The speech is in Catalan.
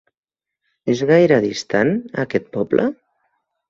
És gaire distant, aquest poble?